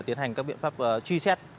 tiến hành các biện pháp truy xét